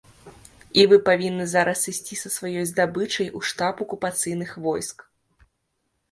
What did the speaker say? І вы павінны зараз ісці са сваёй здабычай у штаб акупацыйных войск.